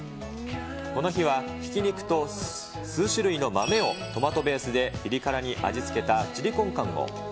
この日はひき肉と数種類の豆をトマトベースでぴり辛に味付けたチリコンカンも。